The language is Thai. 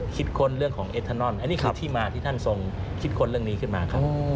ค้นเรื่องของเอทานอนอันนี้คือที่มาที่ท่านทรงคิดค้นเรื่องนี้ขึ้นมาครับ